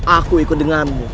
aku ikut denganmu